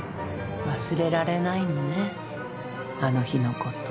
忘れられないのねあの日のこと。